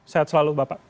sehat selalu bapak